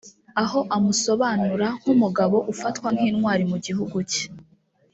aho amusobanura nk’umugabo ufatwa nk’intwari mu gihugu cye